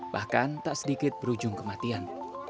bahkan tak sedikit berujung kematian